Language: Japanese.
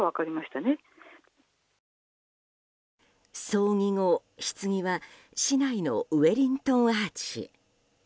葬儀後、ひつぎは市内のウェリントン・アーチへ。